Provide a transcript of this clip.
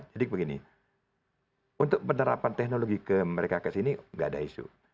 jadi begini untuk penerapan teknologi mereka ke sini nggak ada isu